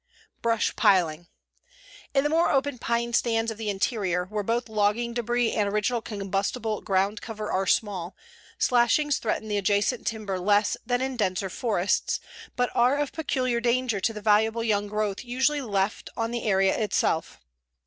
BRUSH PILING In the more open pine stands of the interior, where both logging debris and original combustible ground cover are small, slashings threaten the adjacent timber less than in denser forests, but are of peculiar danger to the valuable young growth usually left on the area itself.